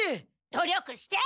努力して。